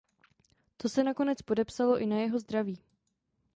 To se nakonec podepsalo i na jeho zdraví.